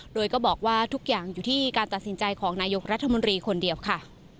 โดยก็บอกว่าทุกอย่างอยู่ที่การตัดสินใจของนายกรัฐมนตรีคนเดียวค่ะ